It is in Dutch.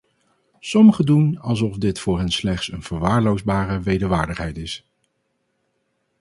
Sommigen doen alsof dit voor hen slechts een verwaarloosbare wederwaardigheid is.